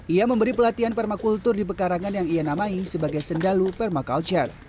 ia memberi pelatihan permakultur di pekarangan yang ia namai sebagai sendalu permaculture